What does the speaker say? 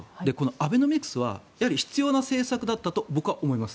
アベノミクスは必要な政策だったと僕は思います。